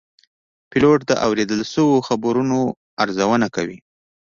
پیلوټ د اورېدل شوو خبرونو ارزونه کوي.